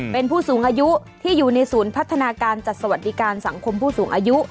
เป็นผู้สูงอายุที่อยู่ในศูนย์พัฒนาการจัดสวัสดิการสังคมผู้สูงอายุ